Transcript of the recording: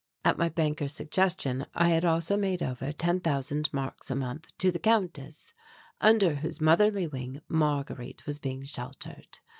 At my banker's suggestion I had also made over ten thousand marks a month to the Countess, under whose motherly wing Marguerite was being sheltered.